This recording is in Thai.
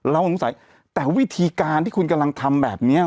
สงสัยแต่วิธีการที่คุณกำลังทำแบบนี้